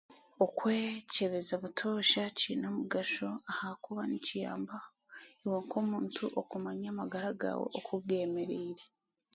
Okwekyebeza obutooosah kiine omugasho ahakuba nikiyamba iwe nk'omuntu okumanya amagara gaawe oku geemereire